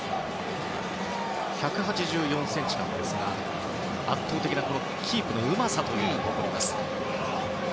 １８４ｃｍなんですが圧倒的なキープのうまさに定評があります。